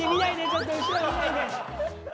ちょっと後ろは見ないで。